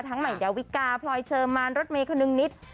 ทั้งใหม่เดี๋ยววิกกาพลอยเชิมมารรถเมฆคนึงนิด